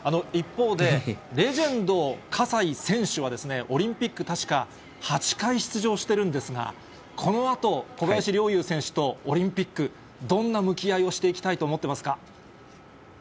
一方で、レジェンド、葛西選手はオリンピック、確か８回出場してるんですが、このあと、小林陵侑選手とオリンピック、どんな向き合いをしていきたいと思ってますか。